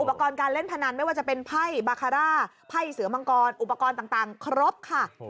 อุปกรณ์การเล่นพนันไม่ว่าจะเป็นไพ่บาคาร่าไพ่เสือมังกรอุปกรณ์ต่างครบค่ะ